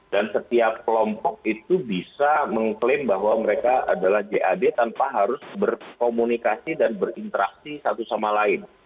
dan setiap kelompok itu bisa mengklaim bahwa mereka adalah jad tanpa harus berkomunikasi dan berinteraksi satu sama lain